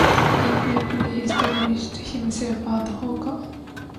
He quickly established himself at hooker.